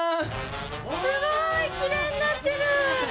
すごい、きれいになってる！